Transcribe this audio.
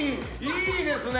いいですね！